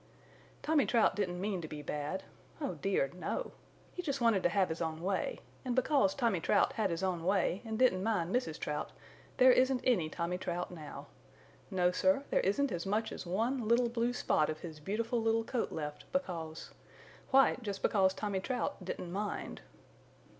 Tommy Trout didn't mean to be bad. Oh dear, no! He just wanted to have his own way, and because Tommy Trout had his own way and didn't mind Mrs. Trout there isn't any Tommy Trout now. No sir, there isn't as much as one little blue spot of his beautiful little coat left because why, just because Tommy Trout didn't mind.